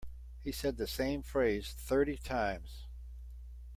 He said the same phrase thirty times.